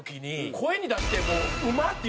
声に出して。